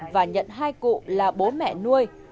và nhận hai cụ là bố mẹ nuôi